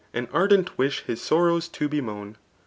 An ardent wisk hit sorrowi to bemoan.